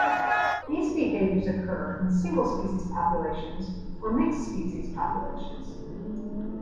These behaviors occur in single species populations, or mixed species populations.